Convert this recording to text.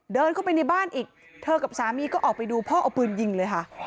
เดินเข้าไปในบ้านอีกเธอกับสามีก็ออกไปดูพ่อเอาปืนยิงเลยค่ะ